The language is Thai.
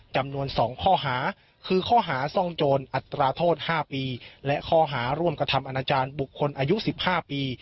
จำนวน๒ข้อหาคือข้อหาซ่องโจรอัตราโทษ๕ปีและข้อหาร่วมกระทำอนาจารย์บุคคลอายุ๑๕ปี